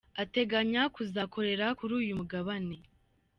Ateganya kuzakorera kuri uyu mugabane